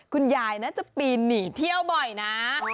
คุณยายน่าจะปีนหนีเที่ยวบ่อยนะ